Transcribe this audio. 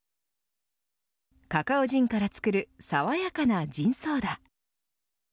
カカオジンから作るさわやかなジンソーダ。